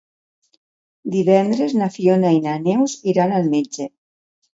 Divendres na Fiona i na Neus iran al metge.